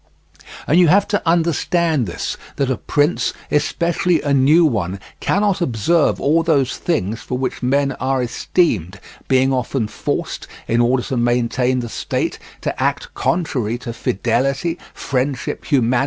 And you have to understand this, that a prince, especially a new one, cannot observe all those things for which men are esteemed, being often forced, in order to maintain the state, to act contrary to fidelity, friendship, humanity, and religion.